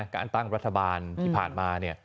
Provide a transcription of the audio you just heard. การตั้งรัฐบาลที่ผ่านมาเนี่ย